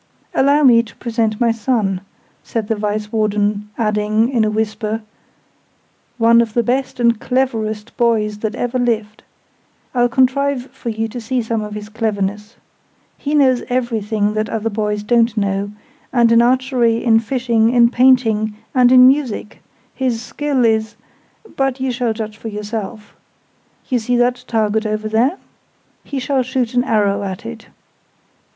"Allow me to present my son," said the Vice warden; adding, in a whisper, "one of the best and cleverest boys that ever lived! I'll contrive for you to see some of his cleverness. He knows everything that other boys don't know; and in archery, in fishing, in painting, and in music, his skill is but you shall judge for yourself. You see that target over there? He shall shoot an arrow at it.